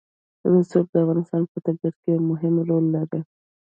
رسوب د افغانستان په طبیعت کې یو مهم رول لري.